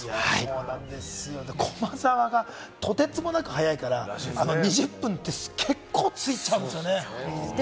駒澤がとてつもなく速いから、あの２０分って結構ついちゃうんですね。